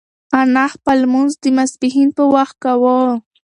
انا خپل لمونځ د ماسپښین په وخت کاوه.